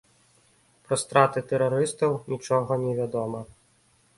Пра страты тэрарыстаў нічога невядома.